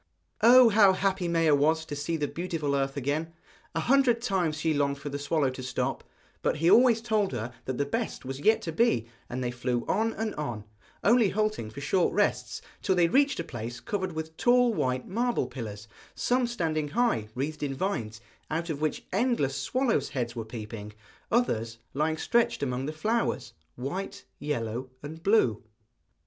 Oh! how happy Maia was to see the beautiful earth again! A hundred times she longed for the swallow to stop, but he always told her that the best was yet to be; and they flew on and on, only halting for short rests, till they reached a place covered with tall white marble pillars, some standing high, wreathed in vines, out of which endless swallows' heads were peeping; others lying stretched among the flowers, white, yellow, and blue.